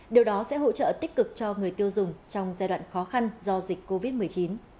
điều đó sẽ hỗ trợ tích cực cho người tiêu dùng trong giai đoạn khó khăn do dịch covid một mươi chín